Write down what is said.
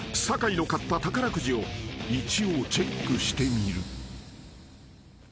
［酒井の買った宝くじを一応チェックしてみる］